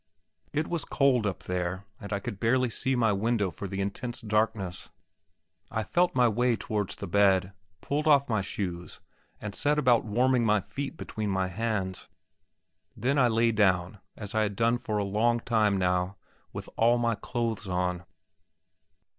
It was cold up there, and I could barely see my window for the intense darkness. I felt my towards the bed, pulled off my shoes, and set about warming my feet between my hands. Then I lay down, as I had done for a long time now, with all my clothes on.